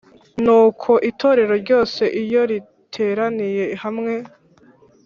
Nuko rero Itorero ryose iyo riteraniye hamwe